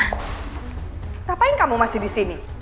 ngapain kamu masih di sini